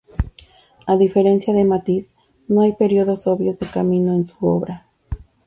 A diferencia de Matisse, no hay periodos obvios de cambio en su obra.